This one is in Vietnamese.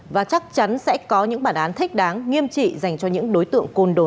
và chắc chắn sẽ có những bản án thích đáng nghiêm trị dành cho những đối tượng côn đồ